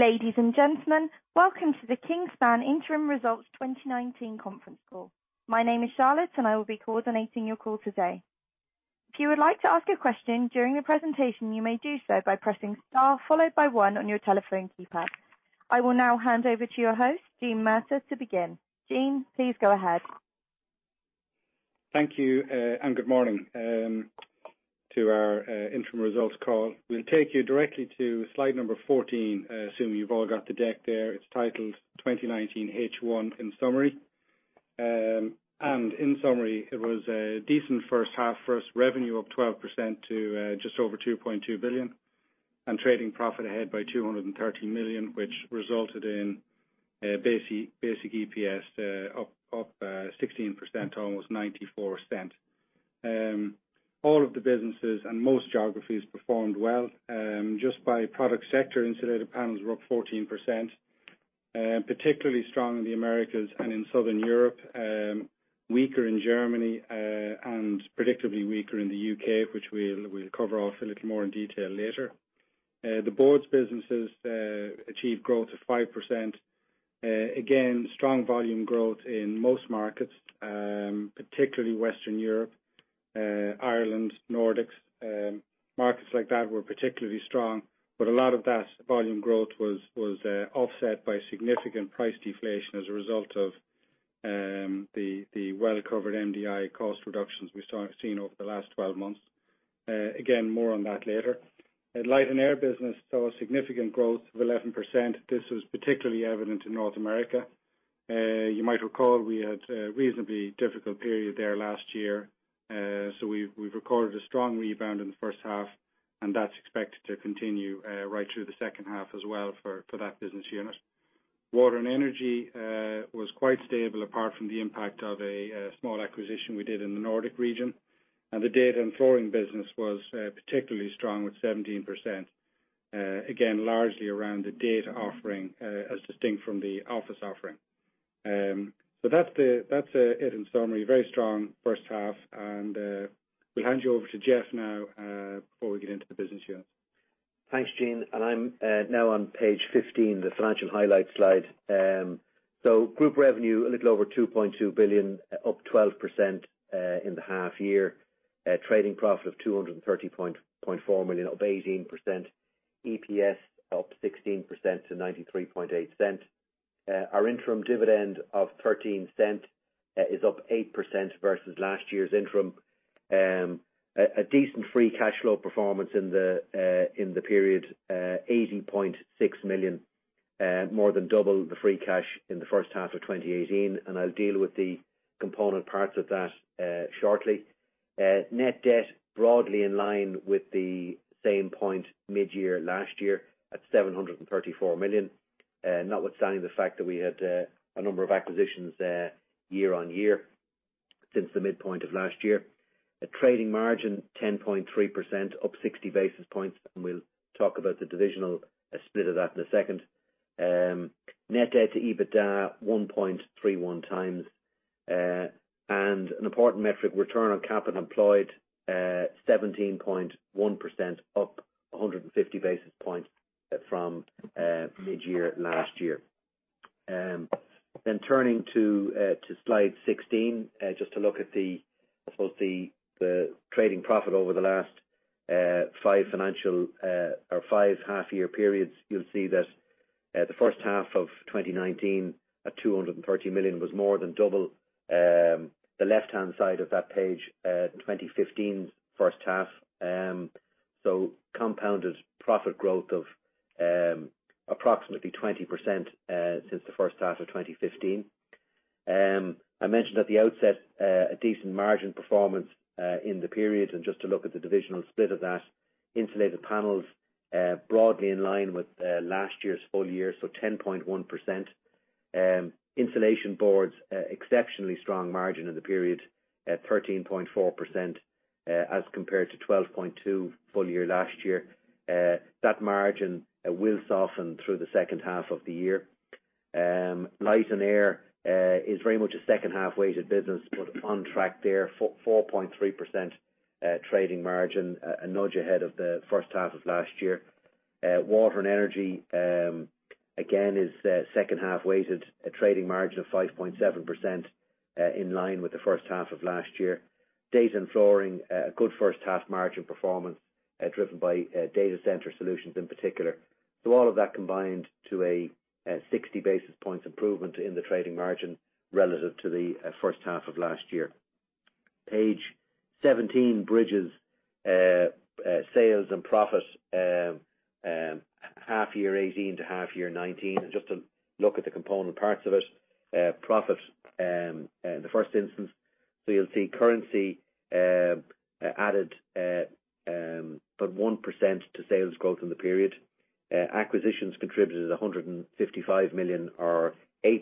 Ladies and gentlemen, welcome to the Kingspan Interim Results 2019 conference call. My name is Charlotte and I will be coordinating your call today. If you would like to ask a question during the presentation, you may do so by pressing star followed by one on your telephone keypad. I will now hand over to your host, Gene Murtagh, to begin. Gene, please go ahead. Thank you, and good morning to our interim results call. We'll take you directly to slide number 14, assuming you've all got the deck there. It's titled 2019 H1 in summary. In summary, it was a decent first half for us, revenue up 12% to just over 2.2 billion, and trading profit ahead by 230 million, which resulted in basic EPS up 16% to almost 0.94. All of the businesses and most geographies performed well. Just by product sector, Insulated Panels were up 14%, particularly strong in the Americas and in Southern Europe, weaker in Germany, and predictably weaker in the U.K., which we'll cover off a little more in detail later. The Boards Businesses achieved growth of 5%. Again, strong volume growth in most markets, particularly Western Europe, Ireland, Nordics, markets like that were particularly strong. A lot of that volume growth was offset by significant price deflation as a result of the well-covered MDI cost reductions we've seen over the last 12 months. Again, more on that later. Light & Air business saw a significant growth of 11%. This was particularly evident in North America. You might recall we had a reasonably difficult period there last year. We've recorded a strong rebound in the first half, and that's expected to continue right through the second half as well for that business unit. Water & Energy was quite stable apart from the impact of a small acquisition we did in the Nordic region. The Data & Flooring business was particularly strong with 17%, again, largely around the data offering as distinct from the office offering. That's it in summary, very strong first half. We'll hand you over to Geoff now before we get into the business units. Thanks, Gene. I'm now on page 15, the financial highlights slide. Group revenue a little over 2.2 billion, up 12% in the half year. Trading profit of 230.4 million, up 18%. EPS up 16% to 0.938. Our interim dividend of 0.13 is up 8% versus last year's interim. A decent free cash flow performance in the period, 80.6 million, more than double the free cash in the first half of 2018. I'll deal with the component parts of that shortly. Net debt broadly in line with the same point mid-year last year at 734 million. Notwithstanding the fact that we had a number of acquisitions there year-on-year since the midpoint of last year. A trading margin 10.3%, up 60 basis points. We'll talk about the divisional split of that in a second. Net debt to EBITDA 1.31 times. An important metric, return on capital employed 17.1%, up 150 basis points from mid-year last year. Turning to slide 16, just to look at the trading profit over the last five half-year periods. You'll see that the first half of 2019 at 230 million was more than double the left-hand side of that page, 2015's first half. Compounded profit growth of approximately 20% since the first half of 2015. I mentioned at the outset a decent margin performance in the period, and just to look at the divisional split of that. Insulated Panels broadly in line with last year's full year, so 10.1%. Insulation Boards, exceptionally strong margin in the period at 13.4%, as compared to 12.2% full year last year. That margin will soften through the second half of the year. Light & Air is very much a second half-weighted business, but on track there, 4.3% trading margin, a nudge ahead of the first half of last year. Water & Energy, again, is second half-weighted, a trading margin of 5.7%, in line with the first half of last year. Data & Flooring, a good first half margin performance, driven by Data Solutions in particular. All of that combined to a 60 basis points improvement in the trading margin relative to the first half of last year. Page 17 bridges sales and profit half year 2018 to half year 2019. Just to look at the component parts of it. Profit in the first instance. You'll see currency added but 1% to sales growth in the period. Acquisitions contributed 155 million or 8%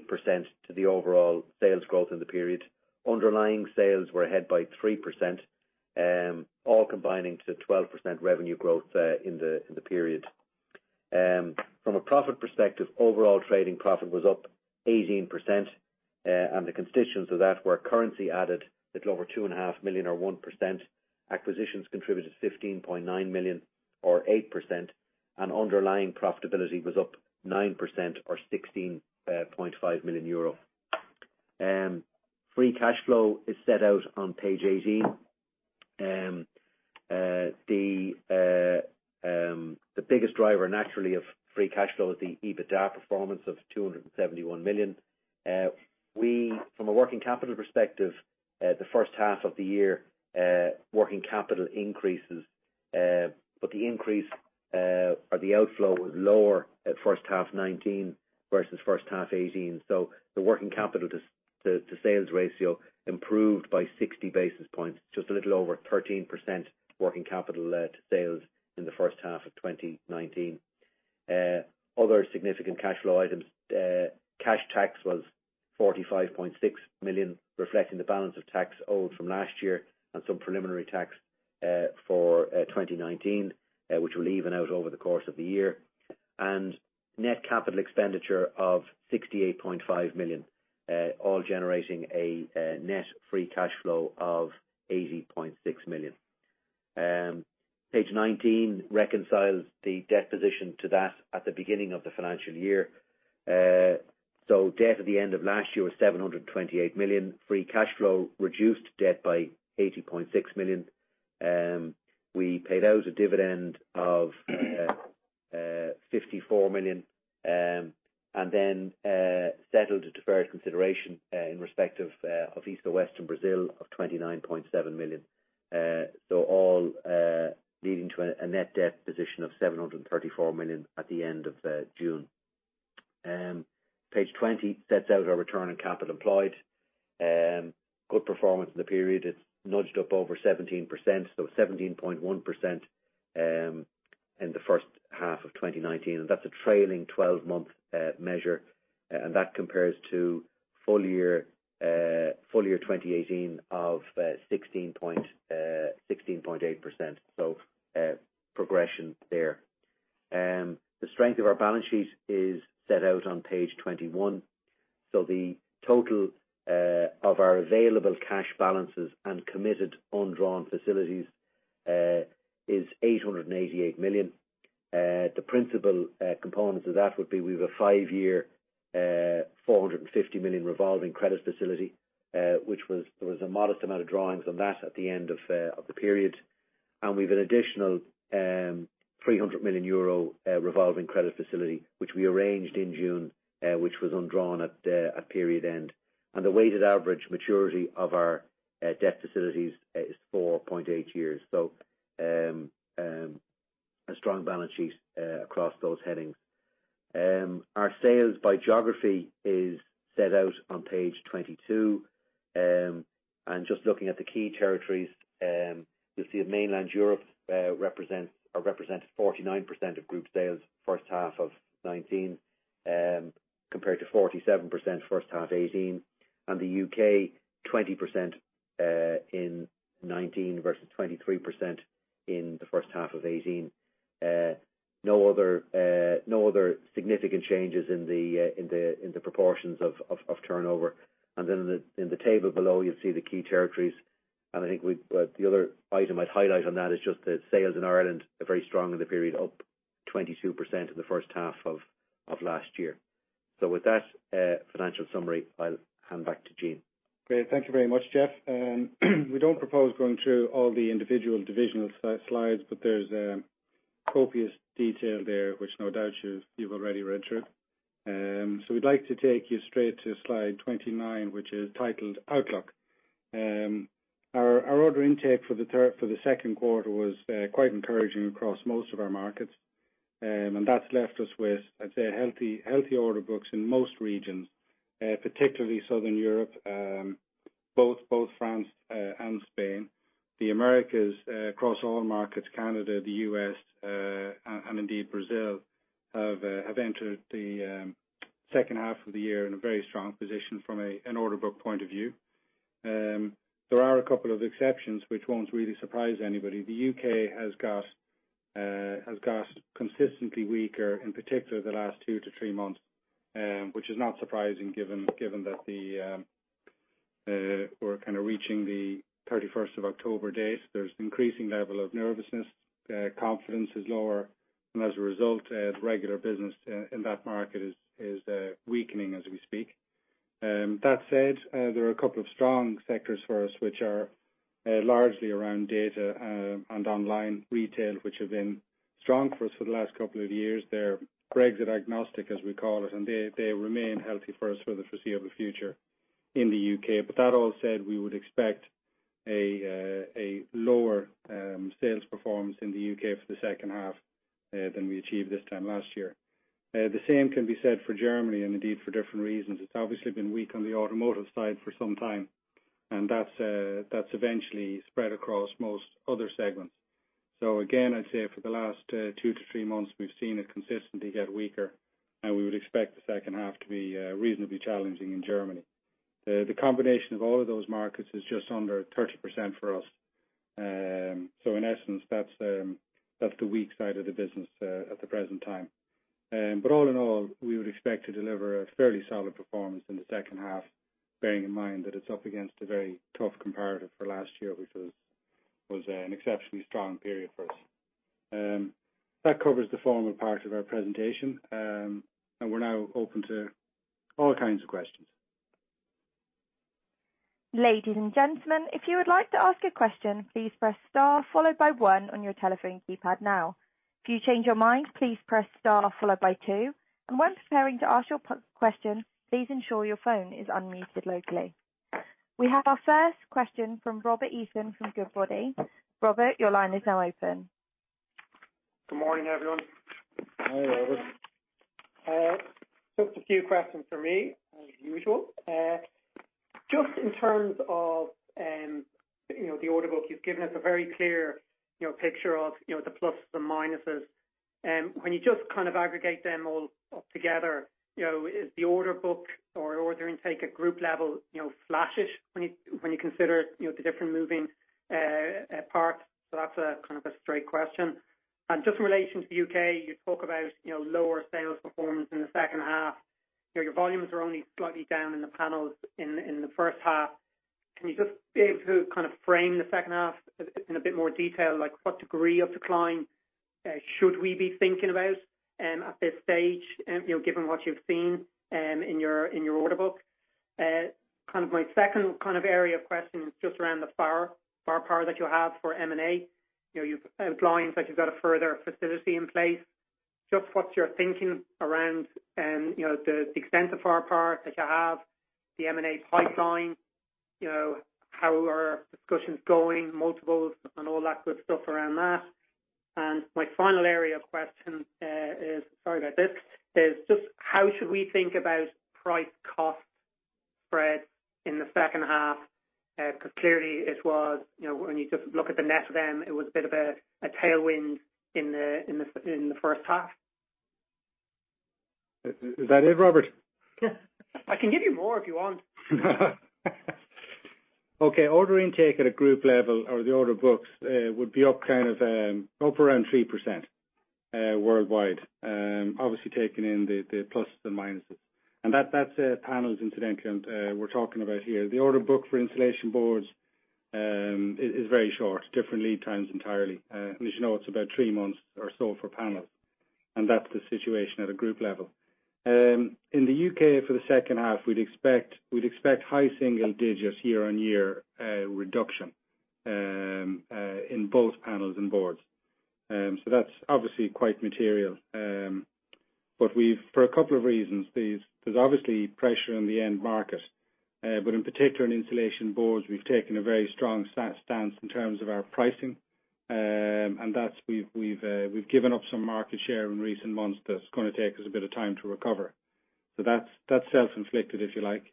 to the overall sales growth in the period. Underlying sales were ahead by 3%, all combining to 12% revenue growth in the period. From a profit perspective, overall trading profit was up 18%, the constituents of that were currency added, a little over 2.5 million or 1%. Acquisitions contributed 15.9 million or 8%, underlying profitability was up 9% or 16.5 million euro. Free cash flow is set out on page 18. The biggest driver, naturally, of free cash flow is the EBITDA performance of 271 million. From a working capital perspective, the first half of the year, working capital increases. The increase or the outflow was lower at first half 2019 versus first half 2018. The working capital to sales ratio improved by 60 basis points, just a little over 13% working capital to sales in the first half of 2019. Other significant cash flow items, cash tax was 45.6 million, reflecting the balance of tax owed from last year and some preliminary tax for 2019, which will even out over the course of the year. Net capital expenditure of 68.5 million, all generating a net free cash flow of 80.6 million. Page 19 reconciles the debt position to that at the beginning of the financial year. Debt at the end of last year was 728 million. Free cash flow reduced debt by 80.6 million. We paid out a dividend of 54 million and then settled a deferred consideration in respect of east and west in Brazil of 29.7 million. All leading to a net debt position of 734 million at the end of June. Page 20 sets out our return on capital employed. Good performance in the period. It's nudged up over 17%, so 17.1% in the first half of 2019, and that's a trailing 12-month measure. That compares to full year 2018 of 16.8%, so progression there. The strength of our balance sheet is set out on page 21. The total of our available cash balances and committed undrawn facilities is 888 million. The principal components of that would be we have a five-year, 450 million revolving credit facility, which there was a modest amount of drawings on that at the end of the period. We've an additional 300 million euro revolving credit facility, which we arranged in June, which was undrawn at period end. The weighted average maturity of our debt facilities is 4.8 years. A strong balance sheet across those headings. Our sales by geography is set out on page 22. Just looking at the key territories, you'll see mainland Europe represented 49% of group sales first half of 2019, compared to 47% first half 2018, and the U.K. 20% in 2019 versus 23% in the first half of 2018. No other significant changes in the proportions of turnover. Then in the table below, you'll see the key territories. I think the other item I'd highlight on that is just that sales in Ireland are very strong in the period, up 22% in the first half of last year. With that financial summary, I'll hand back to Gene. Great. Thank you very much, Geoff. We don't propose going through all the individual divisional slides, but there's copious detail there, which no doubt you've already read through. We'd like to take you straight to slide 29, which is titled Outlook. Our order intake for the second quarter was quite encouraging across most of our markets, and that's left us with, I'd say, healthy order books in most regions, particularly Southern Europe, both France and Spain. The Americas, across all markets, Canada, the U.S., and indeed Brazil, have entered the second half of the year in a very strong position from an order book point of view. There are a couple of exceptions which won't really surprise anybody. The U.K. has got consistently weaker, in particular the last two to three months, which is not surprising given that we're kind of reaching the 31st of October date. There's increasing level of nervousness, confidence is lower, and as a result, regular business in that market is weakening as we speak. That said, there are a couple of strong sectors for us, which are largely around data and online retail, which have been strong for us for the last couple of years. They're Brexit agnostic, as we call it, and they remain healthy for us for the foreseeable future in the U.K. That all said, we would expect a lower sales performance in the U.K. for the second half than we achieved this time last year. The same can be said for Germany, and indeed for different reasons. It's obviously been weak on the automotive side for some time, and that's eventually spread across most other segments. Again, I'd say for the last two to three months, we've seen it consistently get weaker, and we would expect the second half to be reasonably challenging in Germany. The combination of all of those markets is just under 30% for us. In essence, that's the weak side of the business at the present time. All in all, we would expect to deliver a fairly solid performance in the second half, bearing in mind that it's up against a very tough comparative for last year, which was an exceptionally strong period for us. That covers the formal part of our presentation. We're now open to all kinds of questions. Ladies and gentlemen, if you would like to ask a question, please press star followed by one on your telephone keypad now. If you change your mind, please press star followed by two. When preparing to ask your question, please ensure your phone is unmuted locally. We have our first question from Robert Eason from Goodbody. Robert, your line is now open. Good morning, everyone. Hi, Robert. Just a few questions from me as usual. Just in terms of the order book, you've given us a very clear picture of the plus and minuses. When you just aggregate them all up together, is the order book or order intake at group level flattish when you consider the different moving parts? That's kind of a straight question. Just in relation to the U.K., you talk about lower sales performance in the second half. Your volumes are only slightly down in the panels in the first half. Can you just be able to kind of frame the second half in a bit more detail? Like what degree of decline should we be thinking about at this stage, given what you've seen in your order book? My second area of questioning is just around the firepower that you have for M&A. You've outlined that you've got a further facility in place. Just what's your thinking around the extent of firepower that you have, the M&A pipeline, how are discussions going, multiples and all that good stuff around that? My final area of question is, sorry about this, is just how should we think about price cost spread in the second half? Because clearly it was, when you just look at the net of them, it was a bit of a tailwind in the first half. Is that it, Robert? I can give you more if you want. Okay. Order intake at a group level or the order books would be up around 3% worldwide, obviously taking in the plus and minuses. That's Panels incidentally, we're talking about here. The order book for Insulation Boards is very short, different lead times entirely. As you know, it's about 3 months or so for Panels. That's the situation at a group level. In the U.K. for the second half, we'd expect high single digits year-on-year reduction in both Panels and Boards. That's obviously quite material. For a couple of reasons. There's obviously pressure on the end market. In particular, in Insulation Boards, we've taken a very strong stance in terms of our pricing. We've given up some market share in recent months that's going to take us a bit of time to recover. That's self-inflicted, if you like.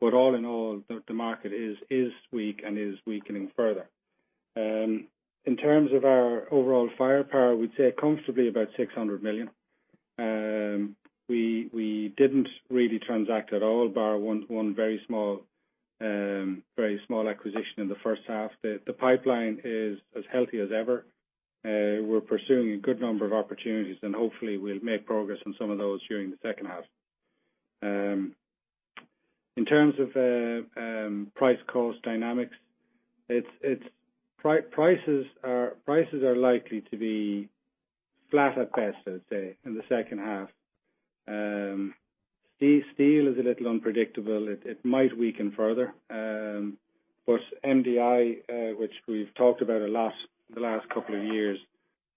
All in all, the market is weak and is weakening further. In terms of our overall firepower, we'd say comfortably about 600 million. We didn't really transact at all bar one very small acquisition in the first half. The pipeline is as healthy as ever. We're pursuing a good number of opportunities and hopefully we'll make progress on some of those during the second half. In terms of price cost dynamics, prices are likely to be flat at best, I'd say, in the second half. Steel is a little unpredictable. It might weaken further. MDI which we've talked about the last couple of years,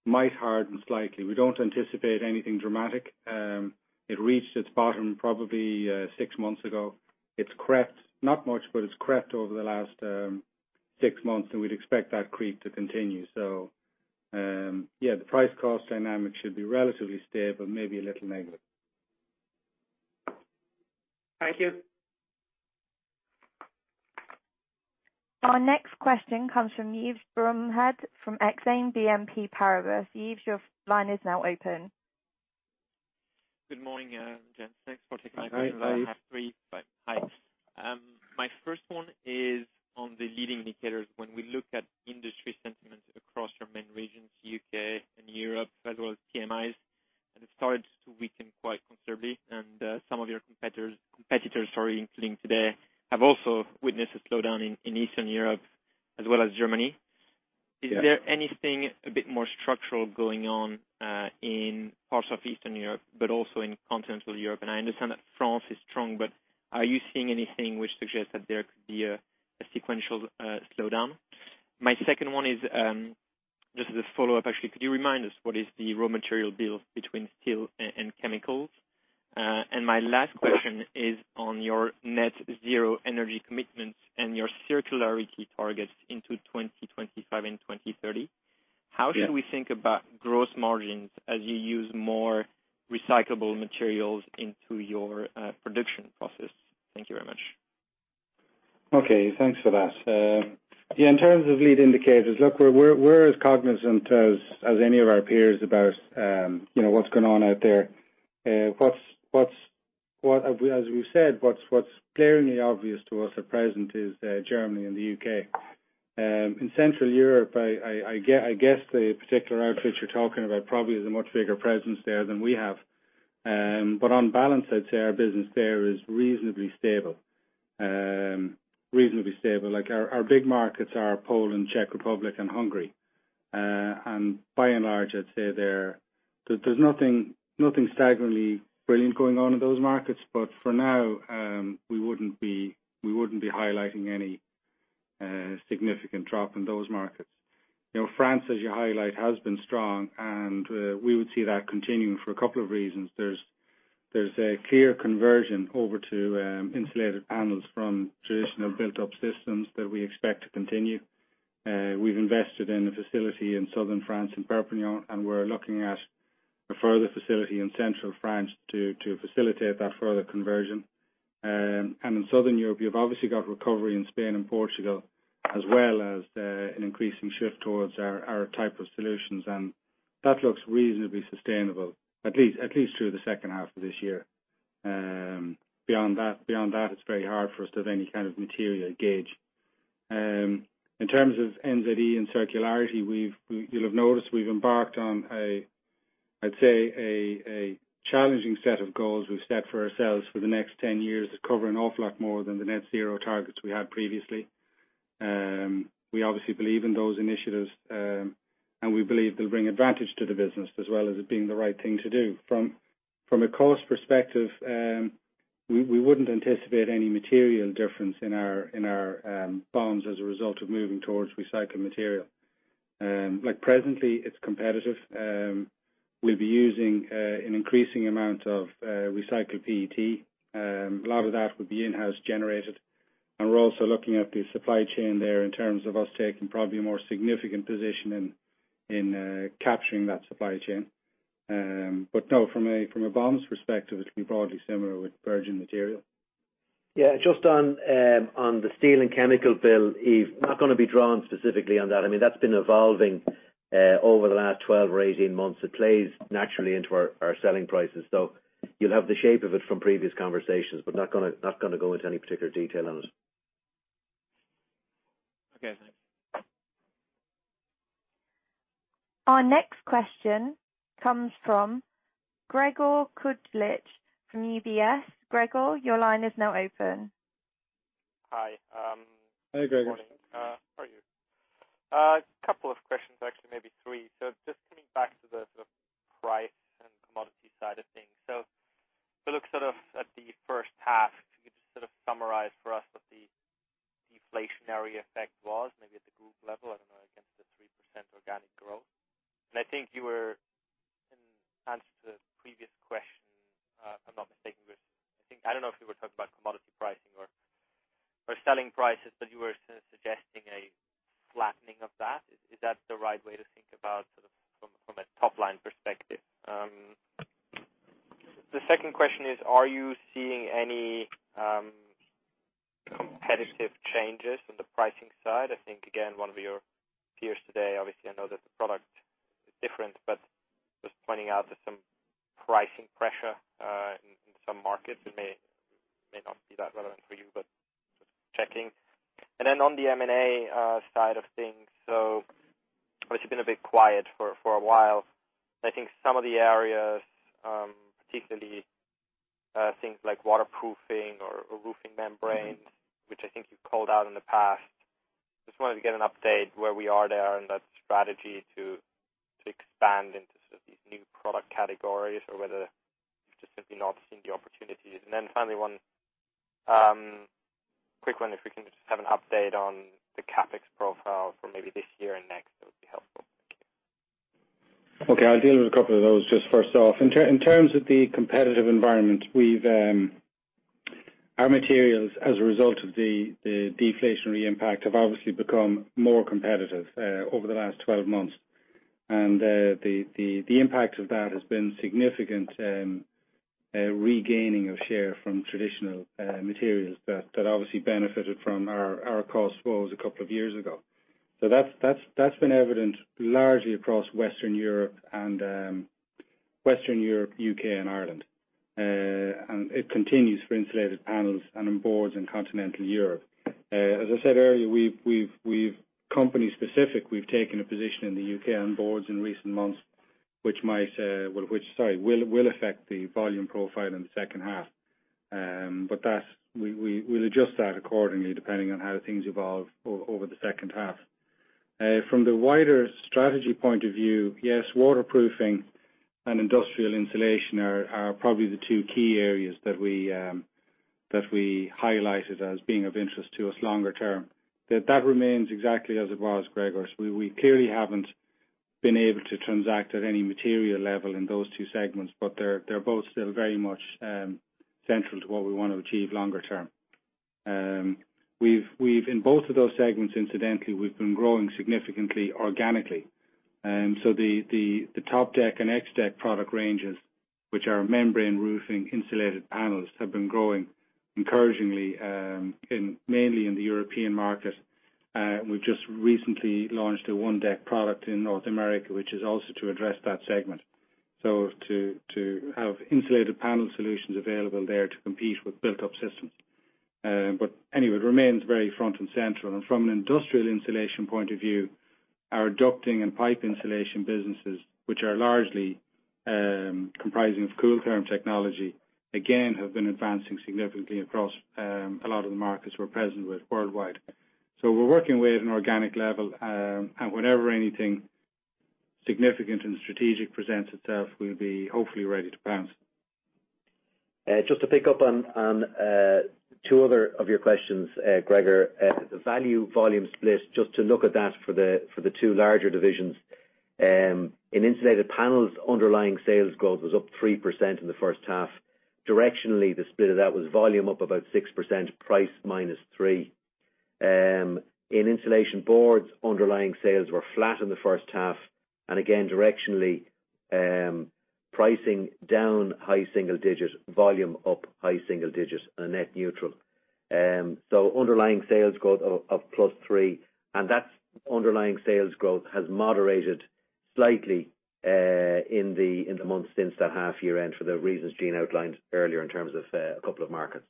might harden slightly. We don't anticipate anything dramatic. It reached its bottom probably six months ago. It's crept, not much, but it's crept over the last six months, and we'd expect that creep to continue. The price cost dynamic should be relatively stable, maybe a little negative. Thank you. Our next question comes from Yves Bromehead from Exane BNP Paribas. Yves, your line is now open. Good morning, gents. Thanks for taking my call. Hi, Yves. I have three. Hi. My first one is on the leading indicators. When we look at industry sentiment across your main regions, U.K. and Europe, as well as PMIs, it started to weaken quite considerably. Some of your competitors including today, have also witnessed a slowdown in Eastern Europe as well as Germany. Yeah. Is there anything a bit more structural going on in parts of Eastern Europe, but also in continental Europe? I understand that France is strong, but are you seeing anything which suggests that there could be a sequential slowdown? My second one is just as a follow-up, actually. Could you remind us what is the raw material build between steel and chemicals? My last question is on your net zero energy commitments and your circularity targets into 2025 and 2030. Yeah. How should we think about gross margins as you use more recyclable materials into your production process? Thank you very much. Okay. Thanks for that. Yeah, in terms of lead indicators, look, we're as cognizant as any of our peers about what's going on out there. As we've said, what's clearly obvious to us at present is Germany and the U.K. In Central Europe, I guess the particular outfit you're talking about probably has a much bigger presence there than we have. On balance, I'd say our business there is reasonably stable. Our big markets are Poland, Czech Republic and Hungary. By and large, I'd say there's nothing staggeringly brilliant going on in those markets, but for now, we wouldn't be highlighting any significant drop in those markets. France, as you highlight, has been strong and we would see that continuing for a couple of reasons. There's a clear conversion over to Insulated Panels from traditional built-up systems that we expect to continue. We've invested in a facility in Southern France, in Perpignan, and we're looking at a further facility in Central France to facilitate that further conversion. In Southern Europe, you've obviously got recovery in Spain and Portugal, as well as an increasing shift towards our type of solutions, and that looks reasonably sustainable, at least through the second half of this year. Beyond that, it's very hard for us to have any kind of material gauge. In terms of NZE and circularity, you'll have noticed we've embarked on, I'd say, a challenging set of goals we've set for ourselves for the next 10 years that cover an awful lot more than the net zero targets we had previously. We obviously believe in those initiatives, and we believe they'll bring advantage to the business as well as it being the right thing to do. From a cost perspective, we wouldn't anticipate any material difference in our bonds as a result of moving towards recycled material. Presently, it's competitive. We'll be using an increasing amount of recycled PET. A lot of that would be in-house generated, and we're also looking at the supply chain there in terms of us taking probably a more significant position in capturing that supply chain. No, from a bonds perspective, it'll be broadly similar with virgin material. Yeah. Just on the steel and chemical bill, Yves. Not going to be drawn specifically on that. That's been evolving over the last 12 or 18 months. It plays naturally into our selling prices. You'll have the shape of it from previous conversations, but not going to go into any particular detail on it. Okay, thanks. Our next question comes from Gregor Kuglitsch from UBS. Gregor, your line is now open. Hi. Hey, Gregor. Morning. How are you? A couple of questions, actually, maybe three. Just coming back to the sort of price and commodity side of things. If you look sort of at the first half, can you just sort of summarize for us what the deflationary effect was, maybe at the group level, I don't know, against the 3% organic growth. I think you were, in answer to the previous question, if I'm not mistaken, I don't know if you were talking about commodity pricing or selling prices, but you were sort of suggesting a flattening of that. Is that the right way to think about sort of from a top-line perspective? The second question is, are you seeing any competitive changes on the pricing side? I think, again, one of your peers today, obviously, I know that the product is different, but just pointing out that some pricing pressure, in some markets, it may not be that relevant for you, but just checking. On the M&A side of things, it's been a bit quiet for a while. I think some of the areas, particularly things like waterproofing or roofing membranes, which I think you've called out in the past, just wanted to get an update where we are there on that strategy to expand into sort of these new product categories or whether you've just simply not seen the opportunities. Finally one quick one, if we can just have an update on the CapEx profile for maybe this year and next, that would be helpful. Thank you. Okay. I'll deal with a couple of those just first off. In terms of the competitive environment, our materials as a result of the deflationary impact, have obviously become more competitive over the last 12 months. The impact of that has been significant regaining of share from traditional materials that obviously benefited from our cost wars a couple of years ago. That's been evident largely across Western Europe, U.K., and Ireland. It continues for insulated panels and in boards in Continental Europe. As I said earlier, company specific, we've taken a position in the U.K. on boards in recent months, which will affect the volume profile in the second half. We'll adjust that accordingly depending on how things evolve over the second half. From the wider strategy point of view, yes, waterproofing and industrial insulation are probably the two key areas that we highlighted as being of interest to us longer term. That remains exactly as it was, Gregor. We clearly haven't been able to transact at any material level in those two segments, but they're both still very much central to what we want to achieve longer term. In both of those segments, incidentally, we've been growing significantly organically. The Topdek and X-Dek product ranges, which are membrane roofing insulated panels, have been growing encouragingly, mainly in the European market. We've just recently launched a one-dek product in North America, which is also to address that segment. To have insulated panel solutions available there to compete with built-up systems. Anyway, it remains very front and central. From an industrial insulation point of view, our ducting and pipe insulation businesses, which are largely comprising of Kooltherm technology, again, have been advancing significantly across a lot of the markets we're present with worldwide. We're working with an organic level, and whenever anything significant and strategic presents itself, we'll be hopefully ready to pounce. Just to pick up on two other of your questions, Gregor. The value volume split, just to look at that for the two larger divisions. In Insulated Panels, underlying sales growth was up 3% in the first half. Directionally, the split of that was volume up about 6%, price -3%. In Insulation Boards, underlying sales were flat in the first half, and again, directionally, pricing down high single digits, volume up high single digits, a net neutral. Underlying sales growth of +3%, and that underlying sales growth has moderated slightly in the months since that half year end for the reasons Gene outlined earlier in terms of a couple of markets.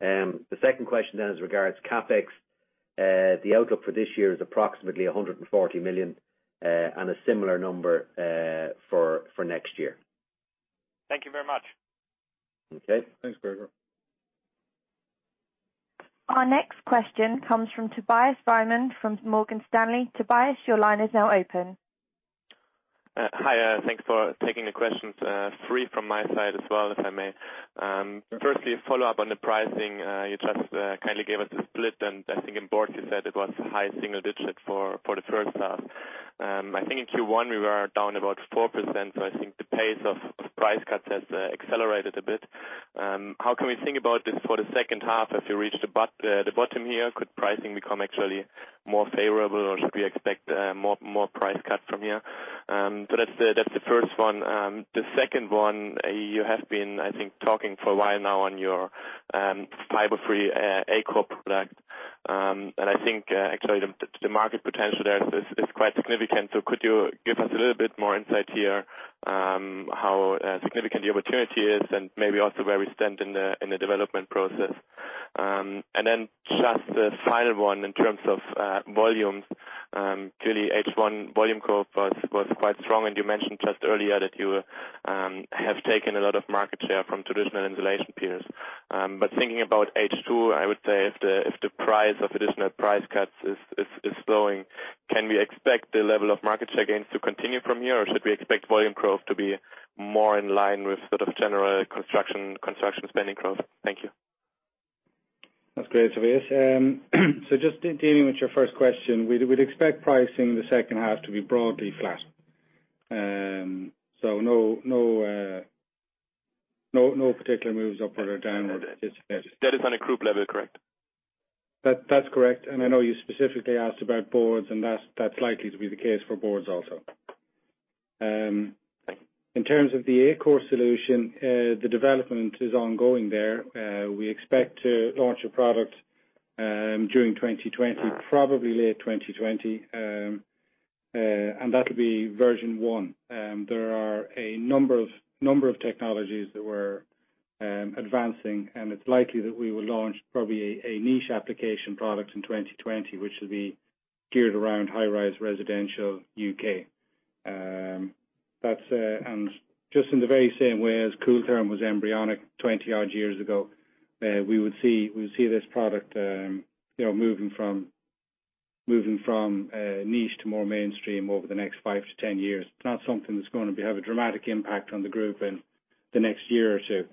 The second question is regards CapEx. The outlook for this year is approximately 140 million, and a similar number for next year. Thank you very much. Okay. Thanks, Gregor. Our next question comes from Tobias Büman from Morgan Stanley. Tobias, your line is now open. Hi, thanks for taking the questions. Three from my side as well, if I may. Firstly, a follow-up on the pricing. You just kindly gave us a split, and I think in boards you said it was high single digit for the first half. I think in Q1 we were down about 4%, so I think the pace of price cuts has accelerated a bit. How can we think about this for the second half? Have you reached the bottom here? Could pricing become actually more favorable, or should we expect more price cut from here? That's the first one. The second one, you have been, I think, talking for a while now on your fiber-free PIR core product. I think actually the market potential there is quite significant. Could you give us a little bit more insight here, how significant the opportunity is and maybe also where we stand in the development process? Then just the final one in terms of volumes. Clearly H1 volume growth was quite strong, and you mentioned just earlier that you have taken a lot of market share from traditional insulation peers. Thinking about H2, I would say if the price of additional price cuts is slowing, can we expect the level of market share gains to continue from here, or should we expect volume growth to be more in line with sort of general construction spending growth? Thank you. That's great, Tobias. Just dealing with your first question, we'd expect pricing in the second half to be broadly flat. No particular moves upward or downward. That is on a group level, correct? That's correct. I know you specifically asked about boards, and that's likely to be the case for boards also. In terms of the PIR core solution, the development is ongoing there. We expect to launch a product during 2020, probably late 2020, and that'll be version 1. There are a number of technologies that we're advancing, it's likely that we will launch probably a niche application product in 2020, which will be geared around high-rise residential U.K. Just in the very same way as Kooltherm was embryonic 20-odd years ago, we would see this product moving from niche to more mainstream over the next five to 10 years. It's not something that's going to have a dramatic impact on the group in the next year or two.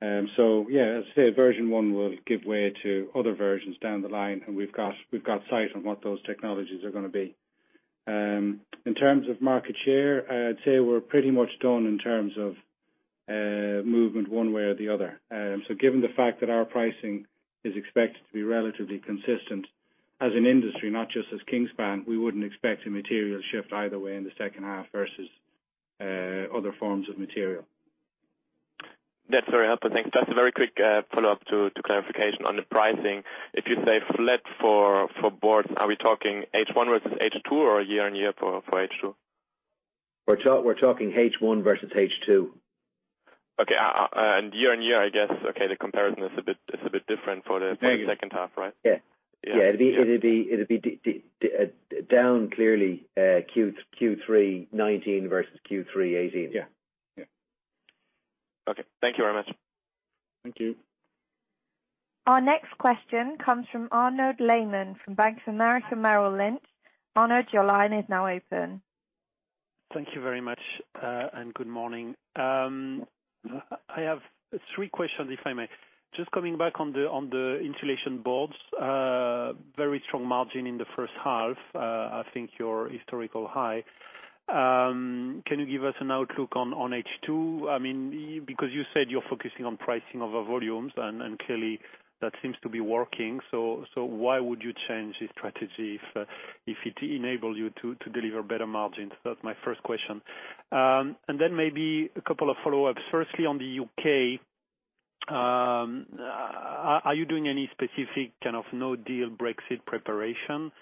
Yeah, as I say, version 1 will give way to other versions down the line, and we've got sight on what those technologies are going to be. In terms of market share, I'd say we're pretty much done in terms of movement one way or the other. Given the fact that our pricing is expected to be relatively consistent as an industry, not just as Kingspan, we wouldn't expect a material shift either way in the second half versus other forms of material. That's very helpful. Thanks. Just a very quick follow-up to clarification on the pricing. If you say flat for boards, are we talking H1 versus H2 or year on year for H2? We're talking H1 versus H2. Okay. Year-on-year, I guess, okay, the comparison is a bit different for the second half, right? Yeah. It'd be down clearly Q3 2019 versus Q3 2018. Yeah. Okay. Thank you very much. Thank you. Our next question comes from Arnaud Lehmann from Bank of America Merrill Lynch. Arnaud, your line is now open. Thank you very much. Good morning. I have three questions, if I may. Just coming back on the Insulation Boards, very strong margin in the first half. I think your historical high. Can you give us an outlook on H2? You said you're focusing on pricing over volumes, and clearly that seems to be working. Why would you change the strategy if it enables you to deliver better margins? That's my first question. Maybe a couple of follow-ups. Firstly, on the U.K. Are you doing any specific kind of no deal Brexit preparation?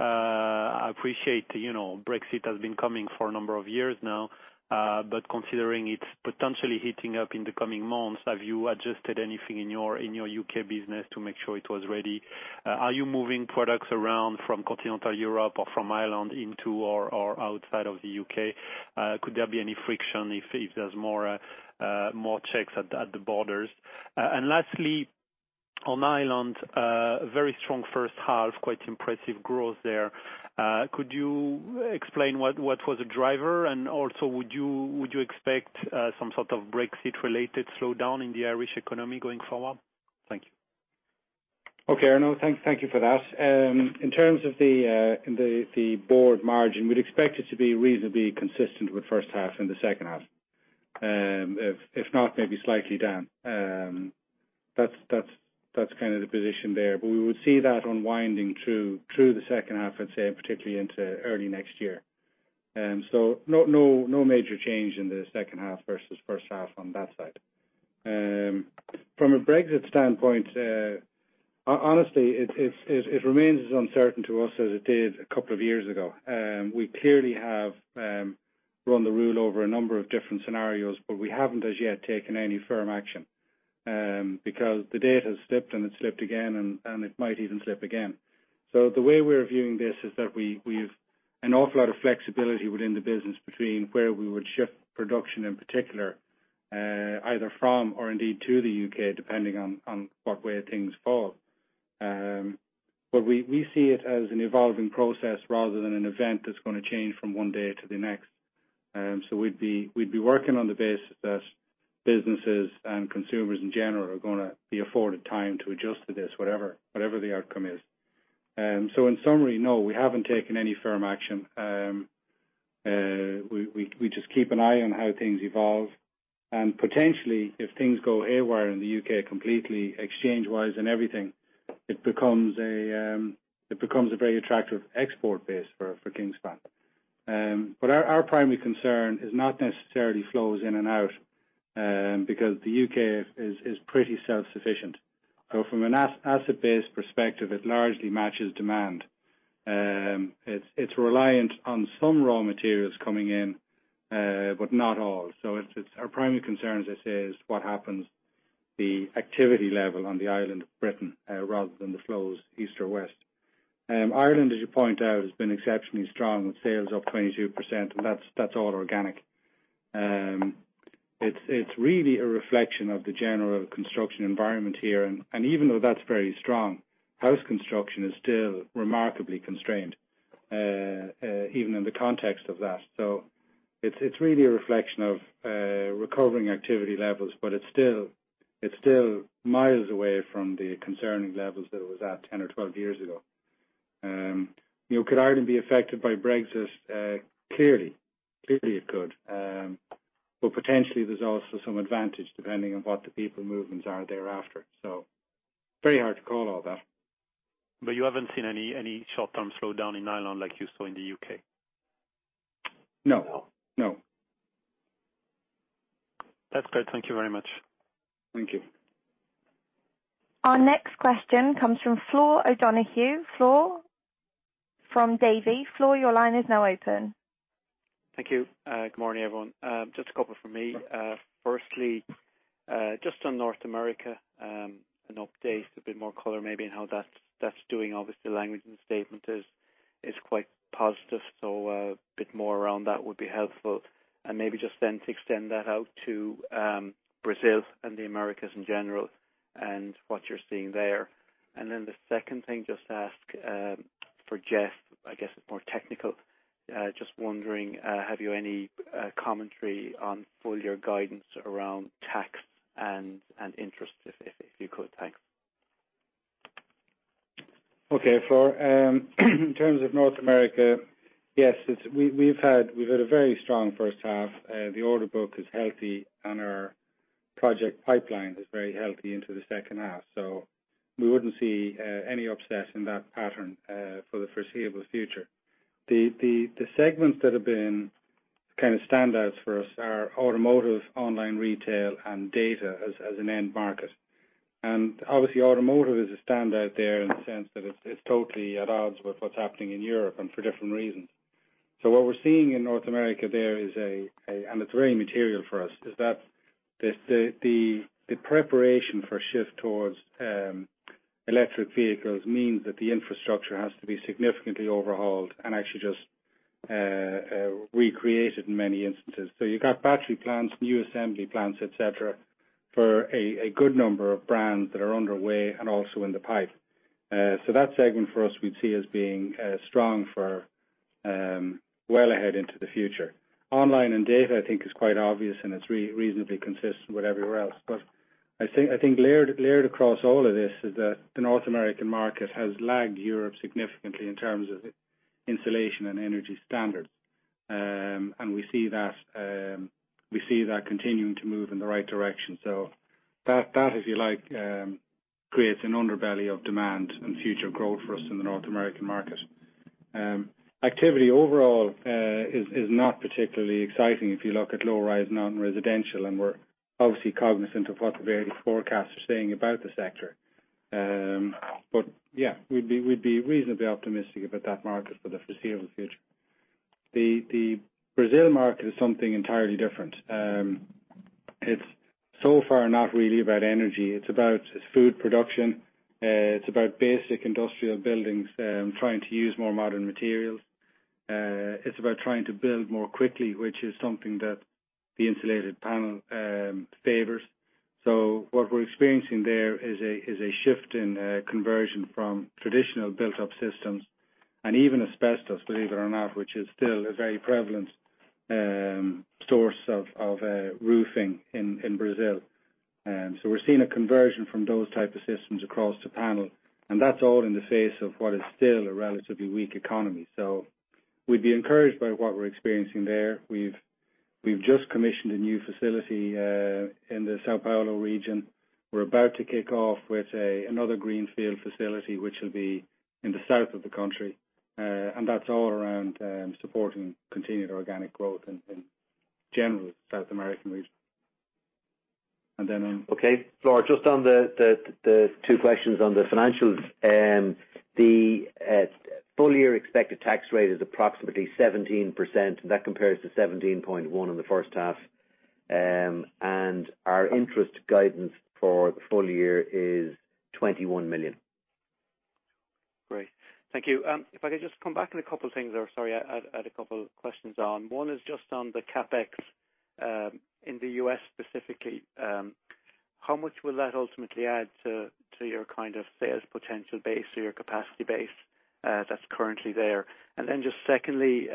I appreciate Brexit has been coming for a number of years now, but considering it's potentially heating up in the coming months, have you adjusted anything in your U.K. business to make sure it was ready? Are you moving products around from continental Europe or from Ireland into or outside of the U.K.? Could there be any friction if there's more checks at the borders? Lastly, on Ireland, very strong first half, quite impressive growth there. Could you explain what was the driver, and also would you expect some sort of Brexit related slowdown in the Irish economy going forward? Thank you. Okay, Arnaud. Thank you for that. In terms of the board margin, we'd expect it to be reasonably consistent with first half and the second half. If not, maybe slightly down. That's kind of the position there. We would see that unwinding through the second half, I'd say, and particularly into early next year. No major change in the second half versus first half on that side. From a Brexit standpoint, honestly, it remains as uncertain to us as it did a couple of years ago. We clearly have run the rule over a number of different scenarios, but we haven't as yet taken any firm action because the date has slipped and it slipped again, and it might even slip again. The way we're viewing this is that we've an awful lot of flexibility within the business between where we would shift production in particular, either from or indeed to the U.K., depending on what way things fall. We see it as an evolving process rather than an event that's going to change from one day to the next. We'd be working on the basis that businesses and consumers in general are going to be afforded time to adjust to this, whatever the outcome is. In summary, no, we haven't taken any firm action. We just keep an eye on how things evolve and potentially, if things go haywire in the U.K., completely exchange-wise and everything, it becomes a very attractive export base for Kingspan. Our primary concern is not necessarily flows in and out because the U.K. is pretty self-sufficient. From an asset-based perspective, it largely matches demand. It's reliant on some raw materials coming in, but not all. Our primary concern, as I say, is what happens the activity level on the island of Britain rather than the flows East or West. Ireland, as you point out, has been exceptionally strong with sales up 22%, and that's all organic. It's really a reflection of the general construction environment here, and even though that's very strong, house construction is still remarkably constrained even in the context of that. It's really a reflection of recovering activity levels, but it's still miles away from the concerning levels that it was at 10 or 12 years ago. Could Ireland be affected by Brexit? Clearly it could. Potentially there's also some advantage depending on what the people movements are thereafter. Very hard to call all that. You haven't seen any short-term slowdown in Ireland like you saw in the U.K.? No. That's great. Thank you very much. Thank you. Our next question comes from Flor O'Donoghue. Flor from Davy. Flor, your line is now open. Thank you. Good morning, everyone. Just a couple from me. Firstly, just on North America, an update, a bit more color maybe on how that's doing. Obviously, the language in the statement is quite positive. A bit more around that would be helpful. Maybe just then to extend that out to Brazil and the Americas in general and what you're seeing there. The second thing, just to ask for Geoff, I guess it's more technical. Just wondering, have you any commentary on full year guidance around tax and interest, if you could? Thanks. Okay, Flor. In terms of North America, yes, we've had a very strong first half. The order book is healthy, and our project pipeline is very healthy into the second half, so we wouldn't see any upset in that pattern for the foreseeable future. The segments that have been kind of standouts for us are automotive, online retail, and data as an end market. Obviously automotive is a standout there in the sense that it's totally at odds with what's happening in Europe and for different reasons. What we're seeing in North America there is a, and it's very material for us, is that the preparation for a shift towards electric vehicles means that the infrastructure has to be significantly overhauled and actually just recreated in many instances. You've got battery plants, new assembly plants, et cetera, for a good number of brands that are underway and also in the pipe. That segment for us, we'd see as being strong for well ahead into the future. Online and data I think is quite obvious, and it's reasonably consistent with everywhere else. I think layered across all of this is that the North American market has lagged Europe significantly in terms of insulation and energy standards. We see that continuing to move in the right direction. That, if you like, creates an underbelly of demand and future growth for us in the North American market. Activity overall is not particularly exciting if you look at low-rise non-residential, and we're obviously cognizant of what the various forecasts are saying about the sector. Yeah, we'd be reasonably optimistic about that market for the foreseeable future. The Brazil market is something entirely different. It's so far not really about energy. It's about food production. It's about basic industrial buildings trying to use more modern materials. It's about trying to build more quickly, which is something that the insulated panel favors. What we're experiencing there is a shift in conversion from traditional built-up systems and even asbestos, believe it or not, which is still a very prevalent source of roofing in Brazil. We're seeing a conversion from those type of systems across to panel, and that's all in the face of what is still a relatively weak economy. We'd be encouraged by what we're experiencing there. We've just commissioned a new facility in the São Paulo region. We're about to kick off with another greenfield facility, which will be in the south of the country, and that's all around supporting continued organic growth in the general South American region. Okay. Flor, just on the two questions on the financials. The full-year expected tax rate is approximately 17%. That compares to 17.1 in the first half. Our interest guidance for the full year is 21 million. Great. Thank you. If I could just come back on a couple of things or, sorry, add a couple of questions on. One is just on the CapEx in the U.S. specifically. How much will that ultimately add to your kind of sales potential base or your capacity base that's currently there? Just secondly,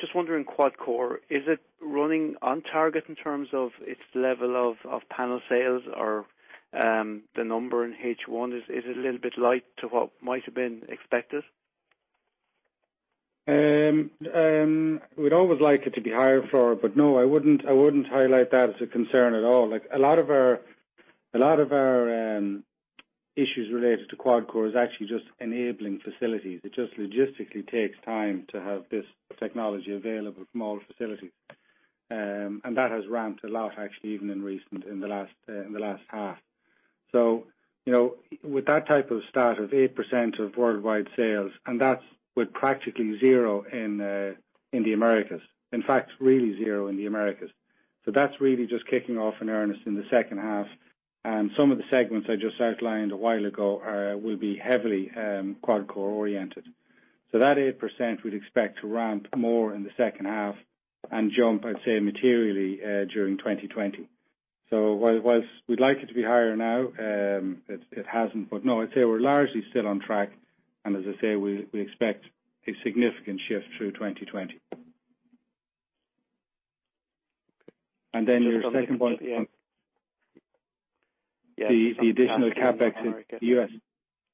just wondering, QuadCore, is it running on target in terms of its level of panel sales or the number in H1? Is it a little bit light to what might have been expected? We'd always like it to be higher, Flor, no, I wouldn't highlight that as a concern at all. A lot of our issues related to QuadCore is actually just enabling facilities. It just logistically takes time to have this technology available from all facilities. That has ramped a lot actually, even in the last half. With that type of start of 8% of worldwide sales, and that's with practically zero in the Americas. In fact, really zero in the Americas. That's really just kicking off in earnest in the second half, and some of the segments I just outlined a while ago will be heavily QuadCore oriented. That 8% we'd expect to ramp more in the second half and jump, I'd say, materially, during 2020. Whilst we'd like it to be higher now, it hasn't. No, I'd say we're largely still on track, and as I say, we expect a significant shift through 2020. Then your second point. Yeah The additional CapEx in the U.S.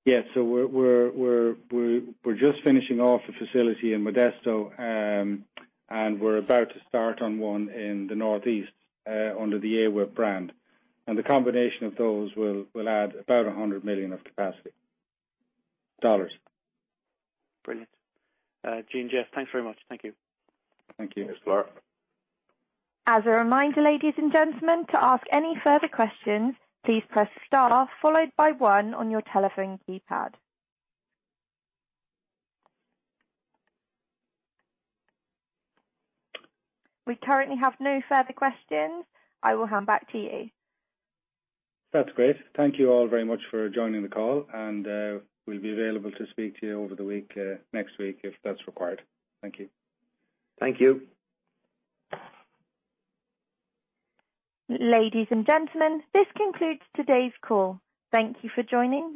Yeah. We're just finishing off a facility in Modesto, and we're about to start on one in the Northeast, under the AWP brand. The combination of those will add about $100 million of capacity. Dollars. Brilliant. Gene, Geoff, thanks very much. Thank you. Thank you. Thanks, Flor. As a reminder, ladies and gentlemen, to ask any further questions, please press star followed by one on your telephone keypad. We currently have no further questions. I will hand back to you. That's great. Thank you all very much for joining the call, and we'll be available to speak to you over the week, next week if that's required. Thank you. Thank you. Ladies and gentlemen, this concludes today's call. Thank you for joining.